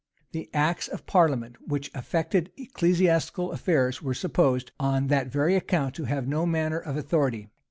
The acts of parliament which affected ecclesiastical affairs were supposed, on that very account, to have no manner of authority.